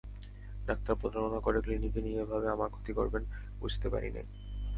Doctor প্রতারণা করে ক্লিনিকে নিয়ে এভাবে আমার ক্ষতি করবেন বুঝতে পারি নাই।